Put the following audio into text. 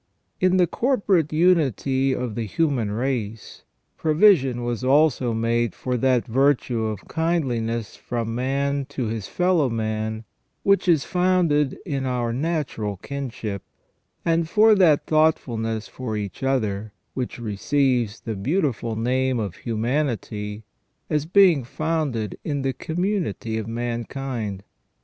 In the corporate unity of the human race provision was also made for that virtue of kindliness from man to his fellow man which is founded in our natural kinship, and for that thoughtfulness for each other which receives the beautiful name of humanity, as being founded in the community of mankind.